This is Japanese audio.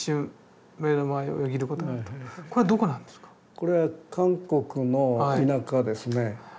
これは韓国の田舎ですね。